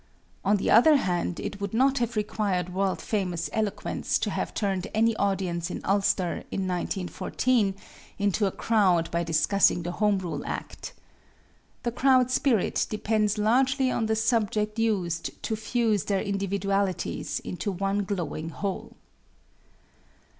On the other hand, it would not have required world famous eloquence to have turned any audience in Ulster, in 1914, into a crowd by discussing the Home Rule Act. The crowd spirit depends largely on the subject used to fuse their individualities into one glowing whole.